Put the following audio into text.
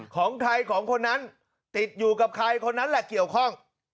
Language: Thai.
ของใครของคนนั้นติดอยู่กับใครคนนั้นแหละเกี่ยวข้อง